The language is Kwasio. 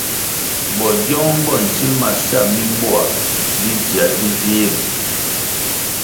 Bogyong bo nsil ma sa mimboa bidziē bi vih ri.